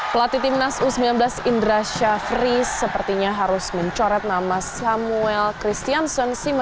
pelatih tim nasu u sembilan belas indra syafri sepertinya harus mencoret nama samuel kristiansen siman jutak dari skuad